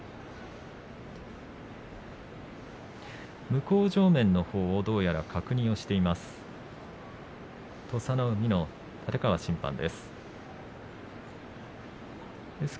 向正面のほうをどうやら確認しています。